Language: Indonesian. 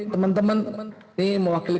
teman teman ini mewakili